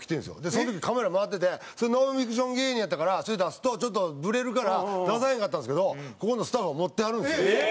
その時カメラ回っててノンフィクション芸人やったからそれ出すとちょっとブレるから出さへんかったんですけどここのスタッフは持ってはるんですよ。